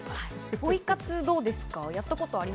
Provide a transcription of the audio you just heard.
ポイ活、どうですか。